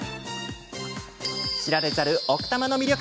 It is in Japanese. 知られざる奥多摩の魅力